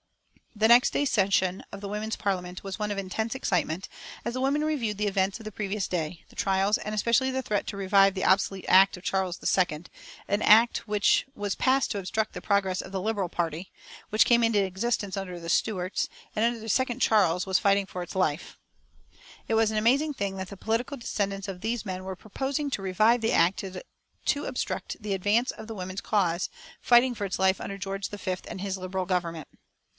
The next day's session of the Women's Parliament was one of intense excitement, as the women reviewed the events of the previous day, the trials, and especially the threat to revive the obsolete Act of Charles II, an act _which was passed to obstruct the progress of the Liberal party, which came into existence under the Stuarts, and under the second Charles was fighting for its life_. It was an amazing thing that the political descendants of these men were proposing to revive the Act to obstruct the advance of the women's cause, fighting for its life under George V and his Liberal government.